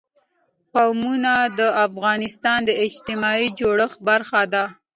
قومونه د افغانستان د اجتماعي جوړښت برخه ده.